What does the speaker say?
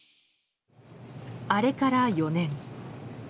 あれから４年。